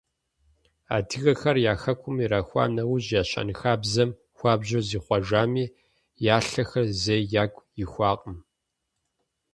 Адыгэхэр я хэкум ирахуа нэужь я щэнхабзэм хуабжьу зихъуэжами, я лъахэр зэи ягу ихуакъым.